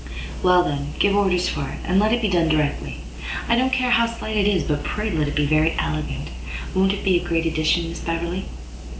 "Well, then, give orders for it, and let it be done directly. I don't care how slight it is, but pray let it be very elegant. Won't it be a great addition, Miss Beverley?"